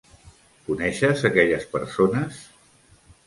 Coneixes aquelles persones?